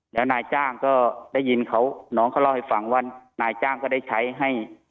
แล้วนายจ้างก็ได้ยินเขาน้องเขาเล่าให้ฟังว่านายจ้างก็ได้ใช้ให้